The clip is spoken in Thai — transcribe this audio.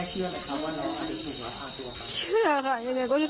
คุณแม่เชื่ออะไรครับว่าน้องจะถึงหาทั่ว